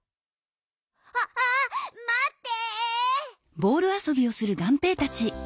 あっまって。